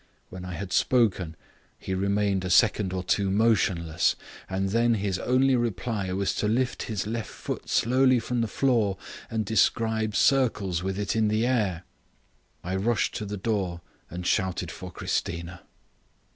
When I had spoken he remained a second or two motionless, and then his only reply was to lift his left foot slowly from the floor and describe circles with it in the air. I rushed to the door and shouted for Christina.